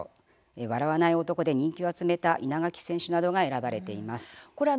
笑わない男で人気を集めた稲垣選手などが選ばれています。